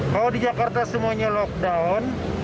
kalau di jakarta semuanya lockdown